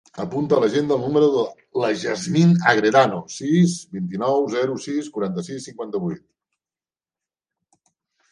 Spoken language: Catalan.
Apunta a l'agenda el número de la Yasmin Agredano: sis, vint-i-nou, zero, sis, quaranta-sis, cinquanta-vuit.